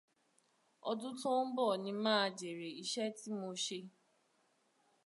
Ọdún tó ń bọ̀ ni màá jèrè iṣẹ́ ti mo ṣe.